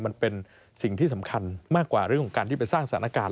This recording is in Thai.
มันเป็นสิ่งที่สำคัญมากกว่าเรื่องของการที่ไปสร้างสถานการณ์